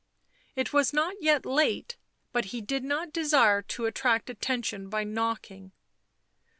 It was not yet late, but he did not desire to attract attention by knocking.